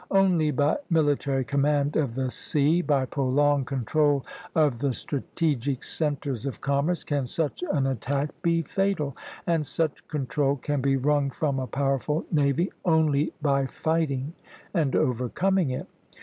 Only by military command of the sea by prolonged control of the strategic centres of commerce, can such an attack be fatal; and such control can be wrung from a powerful navy only by fighting and overcoming it.